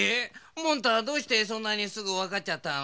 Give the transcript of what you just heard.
モンタどうしてそんなにすぐわかっちゃったの？